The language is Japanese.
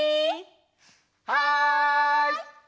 はい！